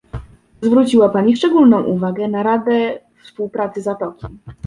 Zwróciła pani szczególną uwagę na Radę Współpracy Zatoki